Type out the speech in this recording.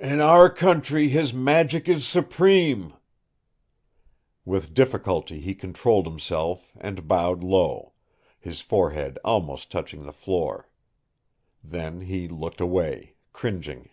"In our country his magic is supreme!" With difficulty he controlled himself and bowed low, his forehead almost touching the floor. Then he looked away, cringing.